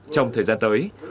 trong thời gian tới